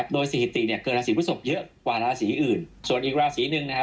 โดยสถิติเนี่ยเกิดราศีพฤศพเยอะกว่าราศีอื่นส่วนอีกราศีหนึ่งนะครับ